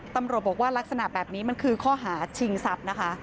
ตำรวจบอกว่าลักษณะแบบนี้มันคือข้อหาชิงทรัพย์นะคะ